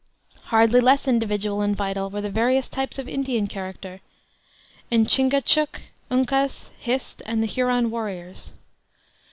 Hardly less individual and vital were the various types of Indian character, in Chingachgook, Uncas, Hist, and the Huron warriors.